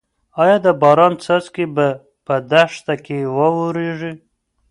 ايا د باران څاڅکي به په دښته کې واوریږي؟